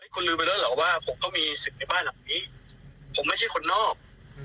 คุณลืมไปแล้วเหรอว่าผมก็มีสิทธิ์ในบ้านหลังนี้ผมไม่ใช่คนนอก